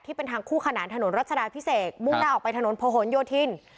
ที่เป็นทางคู่ขนาดถนนราชดาพิเศษมุ่งตากออกไปถนนผ่อนโยธิน